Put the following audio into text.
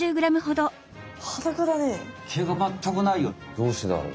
どうしてだろう？